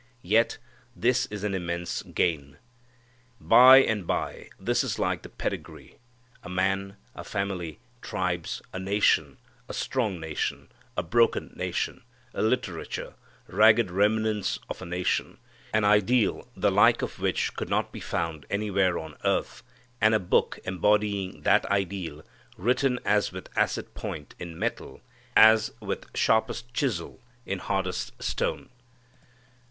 Yet this is an immense gain. By and by this is the pedigree: A man, a family, tribes, a nation, a strong nation, a broken nation, a literature, ragged remnants of a nation, an ideal the like of which could not be found anywhere on earth, and a book embodying that ideal written as with acid point in metal, as with sharpest chisel in hardest stone.